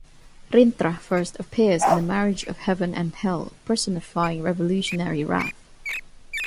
Rintrah first appears in "The Marriage of Heaven and Hell", personifying revolutionary wrath.